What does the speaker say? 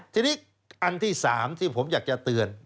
ทีนี้อันที่๓ที่ผมอยากจะเตือน